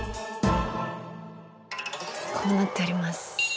こうなっております。